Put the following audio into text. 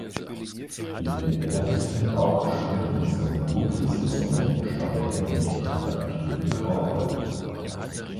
In den ersten acht Spielen seiner Rookiesaison stand er nicht im aktiven Kader.